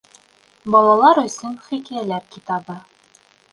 Балалар өсөн хикәйәләр китабы